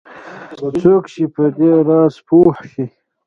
څوک چې په دې راز پوه شي